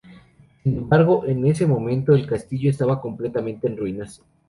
Sin embargo, en ese momento el castillo estaba completamente en ruinas.